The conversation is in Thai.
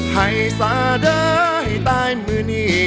ให้สาเด้อให้ตายมือนี่